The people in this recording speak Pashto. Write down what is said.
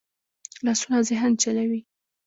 لاسونه ذهن چلوي